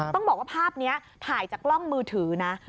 ต้องบอกว่าภาพนี้ถ่ายจากกล้องมือถือนะ